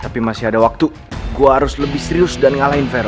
tapi masih ada waktu gue harus lebih serius dan ngalahin fair